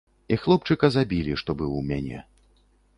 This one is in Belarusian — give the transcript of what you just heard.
І хлопчыка забілі, што быў у мяне.